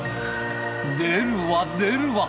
出るわ出るわ。